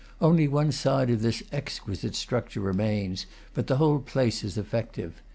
Only one side of this exqui site structure remains, but the whole place is effective.